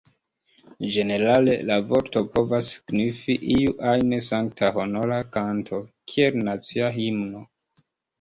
Ĝenerale, la vorto povas signifi iu ajn sankta honora kanto, kiel nacia himno.